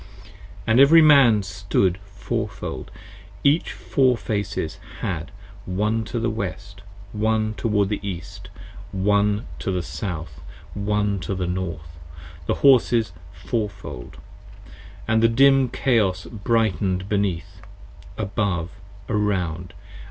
And every Man stood Fourfold, each Four Faces had, One to the West, One toward the East, One to the South, One to the North, the Horses Fourfold. And the dim Chaos brighten'd beneath, above, around